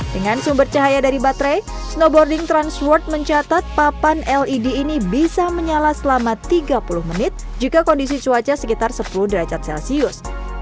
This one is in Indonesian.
dengan sumber cahaya dari baterai snowboarding transword mencatat papan led ini bisa menyala selama tiga puluh menit jika kondisi cuaca sekitar sepuluh derajat celcius